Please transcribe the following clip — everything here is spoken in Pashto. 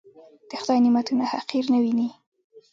د خدای نعمتونه حقير نه وينئ.